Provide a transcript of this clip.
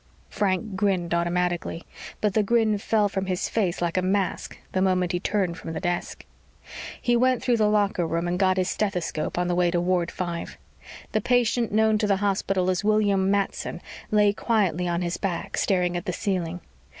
Frank grinned automatically, but the grin fell from his face like a mask the moment he turned from the desk. He went through the locker room and got his stethoscope on the way to Ward Five. The patient known to the hospital as William Matson lay quietly on his back, staring at the ceiling.